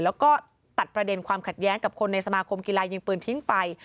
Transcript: แล้วก็ตัดประเด็นความขัดแย้งกับคนในสมาคมกีฬายิงปืนทิ้งไป